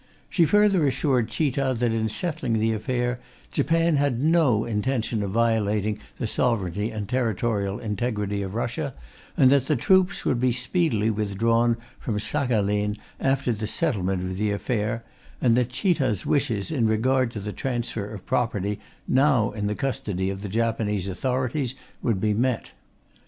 She further assured Chita that in settling the affair Japan had no intention of violating the sovereignty and territorial integrity of Russia, and that the troops would be speedily withdrawn from Saghalin after the settlement of the affair, and that Chita'a wishes in regard to the transfer of property now in the custody of the Japanese authorities would be met.